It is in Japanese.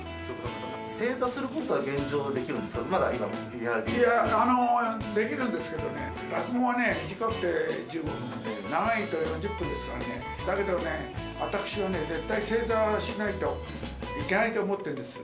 正座することは現状、できるできるんですけどね、落語は短くて１５分、長いと４０分ですからね、だけどね、私は絶対正座はしないといけないと思ってるんです。